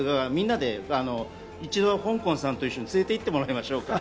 一度、ほんこんさんに連れて行ってもらいましょうかって。